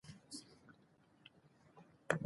قانون د اداري پرېکړو ارزونه ممکن کوي.